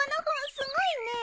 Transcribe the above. すごいね。